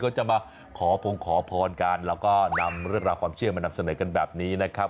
ก็จะมาขอพงขอพรกันแล้วก็นำเรื่องราวความเชื่อมานำเสนอกันแบบนี้นะครับ